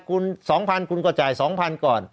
คุณ๒๐๐๐คุณก็จ่าย๒๐๐ก่อน